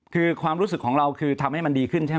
คือความรู้สึกของเราคือทำให้มันดีขึ้นใช่ไหม